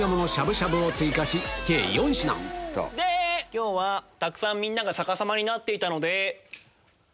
今日はたくさんみんなが逆さまになっていたので。